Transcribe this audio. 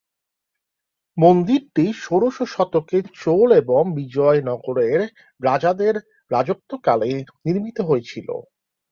মন্দিরটি ষোড়শ শতকে চোল এবং বিজয়নগরের রাজাদের রাজত্বকালে নির্মিত হয়েছিলো।